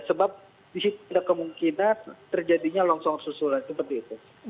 sebab disitu tidak kemungkinan terjadinya longsor susulan seperti itu